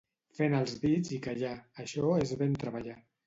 Fer anar els dits i callar, això és ben treballar.